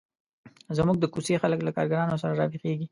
زموږ د کوڅې خلک له کارګرانو سره را ویښیږي.